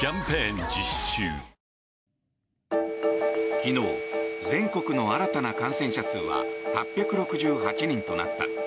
昨日、全国の新たな感染者数は８６８人となった。